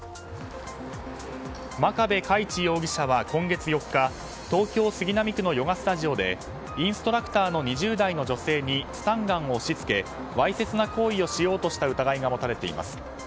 真壁佳一容疑者は今月４日東京・杉並区のヨガスタジオでインストラクターの２０代の女性にスタンガンを押し付けわいせつな行為をしようとした疑いが持たれています。